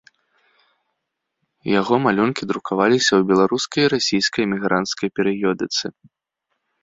Яго малюнкі друкаваліся ў беларускай і расійскай эмігранцкай перыёдыцы.